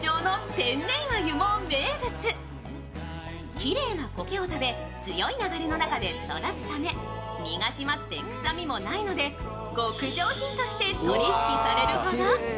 きれいなこけを食べ、強い流れの中で育つため身が締まって臭みもないので極上品として取引されるほど。